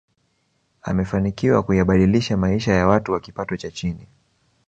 amefanikiwa kuyabadilisha maisha ya watu wa kipato cha chini